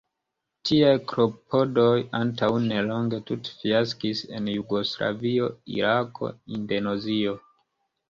Tiaj klopodoj antaŭ nelonge tute fiaskis en Jugoslavio, Irako, Indonezio.